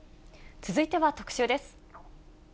続いては特集です。